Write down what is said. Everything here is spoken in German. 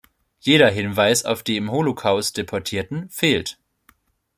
Jeder Hinweis auf die im Holocaust Deportierten fehlt.